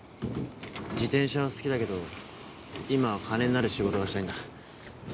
自転車は好きだけど今は金になる仕事がしたいんだ。